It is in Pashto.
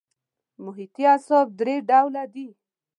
محیطي اعصاب درې ډوله دي.